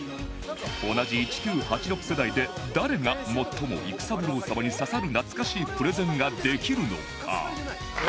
同じ１９８６世代で誰が最も育三郎様に刺さる懐かしいプレゼンができるのか？